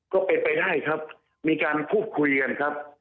ก็เป็นไปได้ครับมีการพูดคุยกันครับ